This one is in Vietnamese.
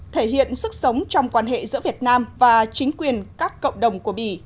thể hiện sức sống trong quan hệ giữa việt nam và chính quyền các cộng đồng